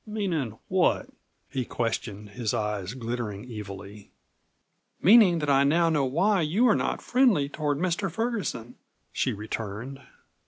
"Meanin' what?" he questioned, his eyes glittering evilly. "Meaning that I now know why you are not friendly toward Mr. Ferguson," she returned.